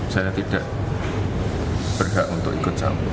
saya tidak berhak untuk ikut campur